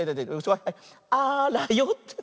あらよって。